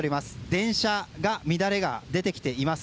電車に乱れが出てきています。